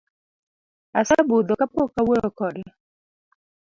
Asebudho kapok awuoyo kode